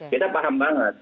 kita paham banget